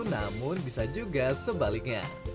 namun bisa juga sebaliknya